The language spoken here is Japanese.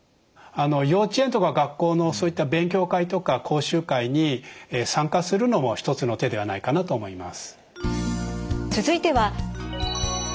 幼稚園とか学校のそういった勉強会とか講習会に参加するのも一つの手ではないかなと思います。